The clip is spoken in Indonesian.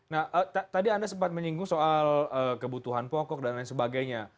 nah tadi anda sempat menyinggung soal kebutuhan pokok dan lain sebagainya